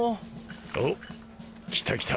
おっ来た来た。